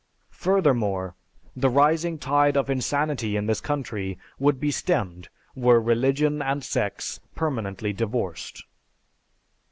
Furthermore, the rising tide of insanity in this country would be stemmed were religion and sex permanently divorced.